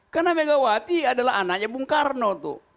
karena megawati adalah anaknya bung karno tuh